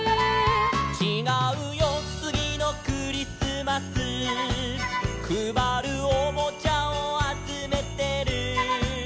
「ちがうよつぎのクリスマス」「くばるおもちゃをあつめてる」